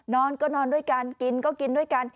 นอนก็นอนด้วยกันกินก็กินด้วยกัน